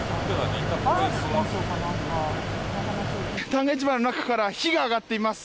旦過市場の中から火が上がっています。